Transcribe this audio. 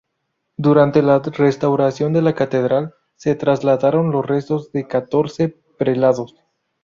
Durante la restauración de la catedral se trasladaron los restos de catorce prelados.